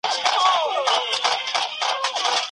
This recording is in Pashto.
شنه باغونه د ګیدړ په قباله سي